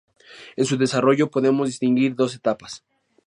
En su desarrollo podemos distinguir dos etapas.